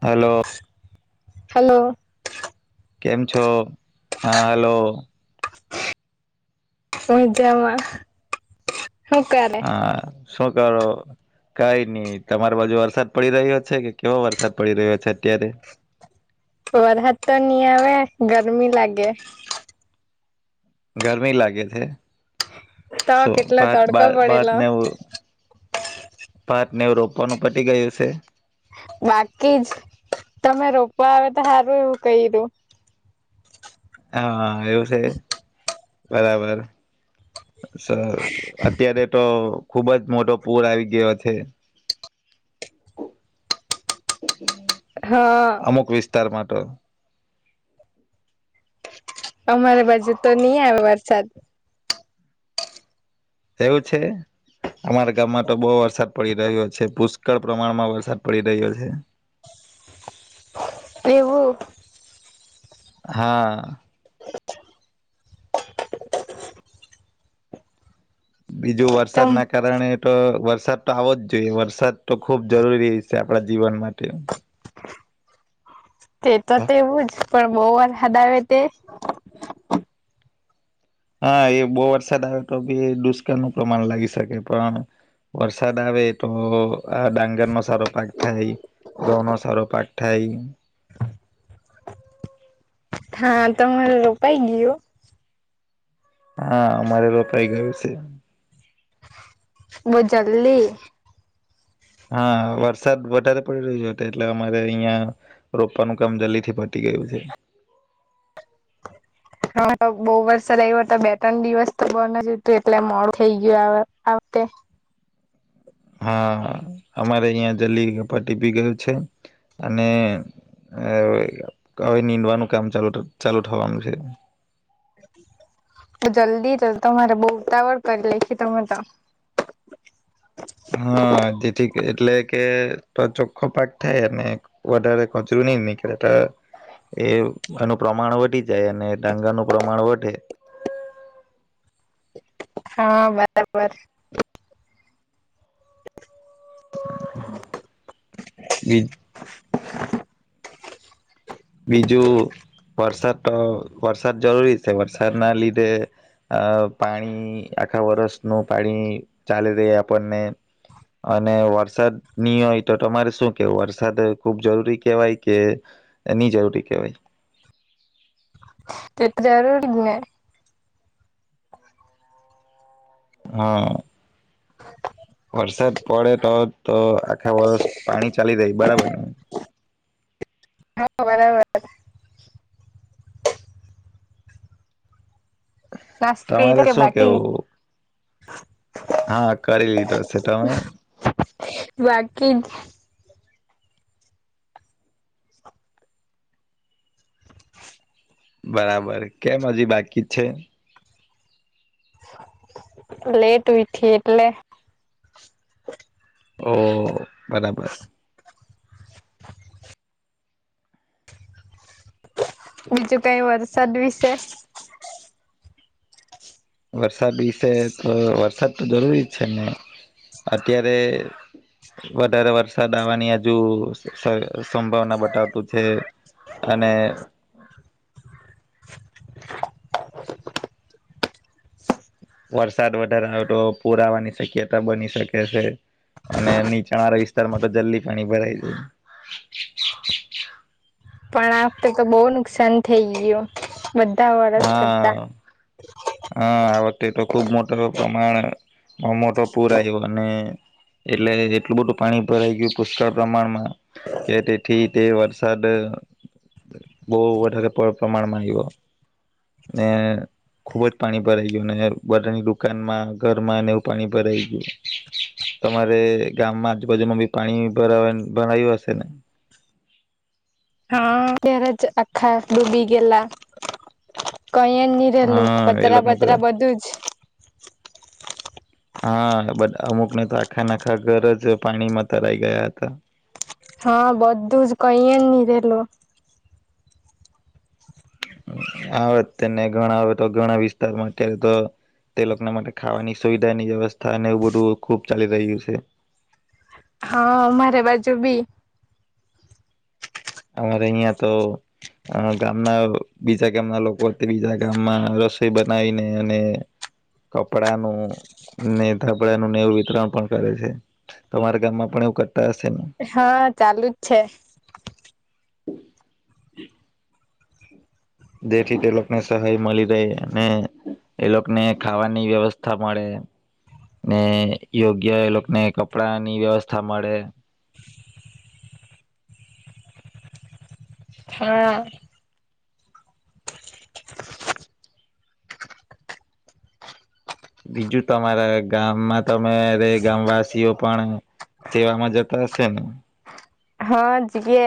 Hello hello કેમ છો હા હલો સમજામાં આ શુ કરો? કઈ નહી તમારી બાજુ વરસાદ પડી રહ્યો છે કે કેવો વરસાદ પડી રહ્યો છે અત્યારે વરહાદ તો નઈ આવે ગરમી લાગે ગરમી લાગે છે તો શો કેટલો ભાત તડકો બાર ભાત પડેલો ને એવું ભાતને એવું રોપવાનું પટી ગયું સે બાકી જ તમે રોપવા આવે તો સારું એવું કયરુ. હા એવું છે બરાબર સો અત્યારે તો ખુબ જ મોટો પૂર આવી ગયો છે. [unintelligible] હા અમુક વિસ્તારમાં તો અમારા બાજુ તો નહી આવે વરસાદ એવું છે? અમારા ગામમાં તો બહુ વરસાદ પડી રહ્યો છે પુષ્કળ પ્રમાણમાં વરસાદ પડી રહ્યો છે. એવું હા બીજું તમ વરસાદ ના કારણે તો વરસાદ તો આવો જ જોઈએ વરસાદ તો ખુબ જરૂરી સે આપ આપણા જીવન માટે તે તો તેવું જ પણ બહ વારહાદ આવે તે હા એ બહુ વરસાદ આવે તો બી દુષ્કાળનું પ્રમાણ લાવી શકે પણ વરસાદ આવે તો આ ડાંગરનો સારો પાક થાય ઘઉંનો સારો પાક થાય હા તમાર રોપાઈ ગયું? હા અમારે રોપાઈ ગયું છે. બો જલ્દી હા વરસાદ વધારે પડી રહ્યો તો એટલે અમારે અહિયાં રોપવાનું કામ જલ્દી થી પતિ ગયું છે. હા તો બહુ વરસાદ આવિયો તો બે ત્રણ દિવસ તો બન જ હતું એટલે મોડુ થઈ ગયું આ વખતે હા અમારે અહીંયા જલ્દી ગપ્પા [unintelligible] પતિબી ગયો છે. અને હવે નીંદવાનું કામ ચાલુ ચાલુ થવાનું છે. તો જલ્દી જ તમારે બોવ ઉતાવળ કરી લાયખી તમે તો હા જેથી એટલે કે ચોખ્ખો પાક થાય અને વધારે કચરું ની નીકળે તો એ એનું પ્રમાણ વધી જાય અને ડાંગરનું પ્રમાણ વધે હા બરાબર. બી બીજું વરસાદતો વરસાદ જરૂરી છે વરસાદના લીધે આ પાણી આખા વરષનું પાણી ચાલી રેય આપણને અને વરસાદ ની હોય તો તમારે શું કેવુ વરસાદ ખુબ જરૂરી કેહેવાય કે કે ની જરૂરી કહેવાય તે જરૂરી જ ને હા વરસાદ પડે તો તો આખા વર્ષ પાણી ચાલી રહે બરાબર ને. હા બરાબર. નાસ્તો કયરો તમારે કે શું બાકી? કેવું હા કરી લીધો છે તમે? બાકી જ. બરાબર કે હજી બાકી છે? લેટ ઉઠી એટલે ઓહ બરાબર બીજું કઈ વરસાદ વિશે. વરસાદ વિશે તો વરસાદ તો જરૂરી જ છે ને અત્યારે વધારે વરસાદ આવવાની હજુ સંભાવના બતાવતું છે અને વરસાદ વધારે આવે તો પુર આવાની શક્યતા બની શકે છે. અને નીચાણ વાળા વિસ્તારમાં તો જલ્દી પાણી ભરાય જાય. પણ આ વખતે તો બહુ નુકસાન થઈ ગયું. બધા વરસ કરતા હા હા આ વખતે તો ખુબ પ્રમાણ મોટો પૂર આવ્યો અને એટલે એટલું બધું પાણી ભરાઈ ગયું પુષ્કળ પ્રમાણમાં કે તેથી તે વરસાદ બોવ વધારે પ્રમાણમાં આયવો. ને ખુબ જ પાણી ભરાઈ ગયું ને બધાની દુકાનમાં ઘરમાં ને એવું પાણી ભરાઈ ગયું. તમારે ગામમાં આજુબાજુમાં બી પાણી ભરાવા ભરાય્યું હશે ને? હા ત્યારે જ આખા ડૂબી ગયેલા કઈ જ પેલું હા એ પતરા લોકોનું તો બતરા બધું જ. હા બ અમુક ને તો આખા નાખા ઘર જ પાણીમાં તરાઈ ગયા હતા. હા બધું જ કઈ જ ની રેલું. આવે તને ઘણા આવે તો ઘણા વિસ્તારમાં અત્યારે તો તે લોકોને માટે ખાવાની સુવિધા ની વ્યવસ્થાને એવું બધું ખુબ ચાલી રહ્યું છે. હા અમારે બાજુ બી. અમારે અય્યા તો. અ ગામના બીજા ગામના લોકો ત્રીજા ગામમાં રસોઈ બનાવીને અને કપડાનું ને ધબડાનું ને એવું વિતરણ પણ કરે છે. તમારા ગામમાં પણ એવું કરતા હશે ને? હા ચાલુ જ છે. હ જેથી તે લોકો ને સહાય મળી રહે અને એ લોકોને ખાવાની વ્યવસ્થા મળે. ને યોગ્ય એ લોકોને કપડા ની વ્યવસ્થા મળે. હા બીજું તમારા ગામમાં ત મેરે ગામવાસીઓ પણ સેવામાં જતા હશે ને? હા જએ